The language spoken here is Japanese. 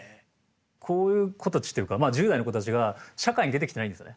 こういう子たちっていうかまあ１０代の子たちが社会に出てきてないんですよね。